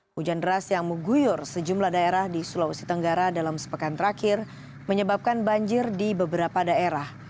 hujan deras yang mengguyur sejumlah daerah di sulawesi tenggara dalam sepekan terakhir menyebabkan banjir di beberapa daerah